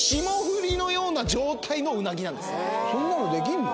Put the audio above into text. そんなのできんの？